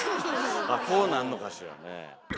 こうなんのかしらね。